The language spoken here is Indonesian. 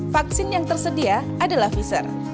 vaksin yang tersedia adalah pfizer